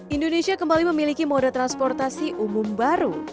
indonesia kembali memiliki moda transportasi umum baru